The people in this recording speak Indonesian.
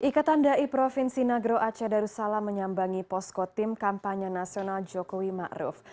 ikatan dai provinsi nagro aceh darussalam menyambangi posko tim kampanye nasional jokowi ma'ruf